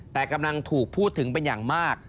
แต่กำลังถูกพูดถึงเป็นอย่างมาก